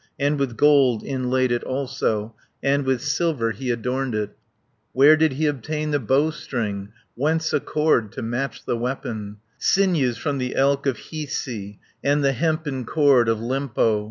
And with gold inlaid it also, And with silver he adorned it. Where did he obtain the bowstring? Whence a cord to match the weapon? Sinews from the elk of Hiisi, And the hempen cord of Lempo.